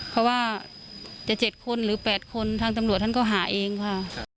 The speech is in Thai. เพราะว่าจะ๗คนหรือ๘คนทางตำรวจท่านก็หาเองค่ะ